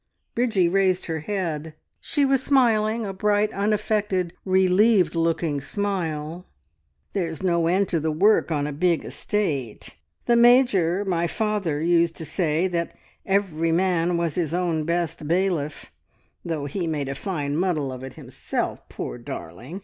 Bridgie raised her head: she was smiling, a bright, unaffected, relieved looking smile. "There's no end to the work on a big estate. The Major my father used to say that every man was his own best bailiff, though he made a fine muddle of it himself, poor darling!